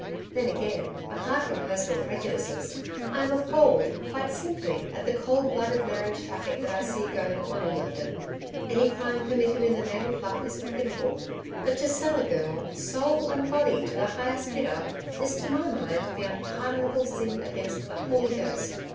Then again, apart from personal prejudices, I am appalled, quite simply, at the cold blooded marriage traffic that I see going on in London. Any crime committed in the name of Love is forgivable, but to sell a girl soul and body to the highest bidder is to my mind, the unpardonable sin against the Holy Ghost.